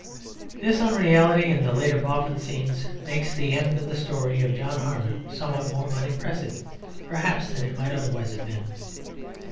This unreality in the later Boffin scenes makes the end of the story of John Harmon somewhat more unimpressive perhaps than it might otherwise have been.